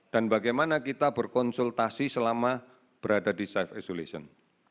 dan bagaimana kita berkonsultasi selama berada di safe isolation